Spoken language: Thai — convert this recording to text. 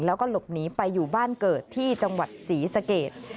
แล้วก็หลบหนีไปอยู่บ้านเกิดที่จังหวัดศรีสเกต